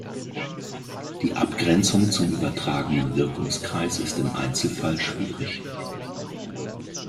Die Abgrenzung zum übertragenen Wirkungskreis ist im Einzelfall schwierig.